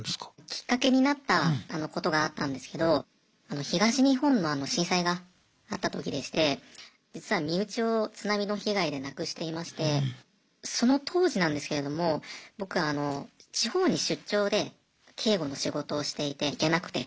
きっかけになったことがあったんですけど東日本の震災があった時でして実は身内を津波の被害で亡くしていましてその当時なんですけれども僕あの地方に出張で警護の仕事をしていて行けなくて。